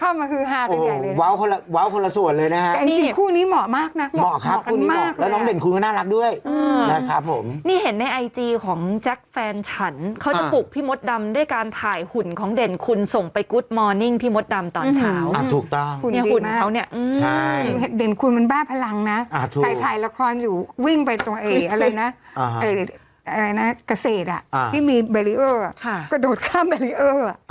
โอ้โหโอ้โหโอ้โหโอ้โหโอ้โหโอ้โหโอ้โหโอ้โหโอ้โหโอ้โหโอ้โหโอ้โหโอ้โหโอ้โหโอ้โหโอ้โหโอ้โหโอ้โหโอ้โหโอ้โหโอ้โหโอ้โหโอ้โหโอ้โหโอ้โหโอ้โหโอ้โหโอ้โหโอ้โหโอ้โหโอ้โหโอ้โหโอ้โหโอ้โหโอ้โหโอ้โหโอ้โห